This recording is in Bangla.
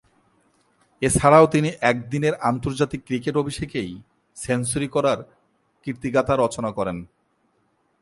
এছাড়াও তিনি একদিনের আন্তর্জাতিক ক্রিকেট অভিষেকেই সেঞ্চুরি করার কীর্তিগাঁথা রচনা করেন।